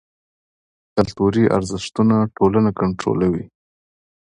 کلتوري ارزښتونه ټولنه کنټرولوي.